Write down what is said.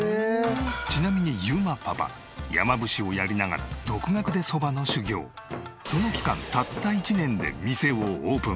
ちなみに裕磨パパ山伏をやりながらその期間たった１年で店をオープン。